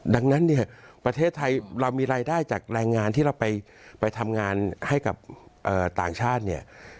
ดังนั้นเนี่ยประเทศไทยเรามีรายได้จากแรงงานที่เราไปทำงานให้กับต่างชาติเนี่ย